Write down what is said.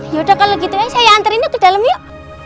yaudah kalau gitu ya saya antarin dia ke dalam yuk